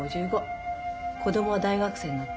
子供は大学生になってる。